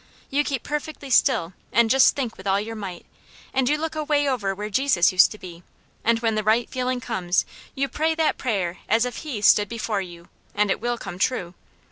You keep perfectly still, and just think with all your might, and you look away over where Jesus used to be, and when the right feeling comes, you pray that prayer as if He stood before you, and it will come true.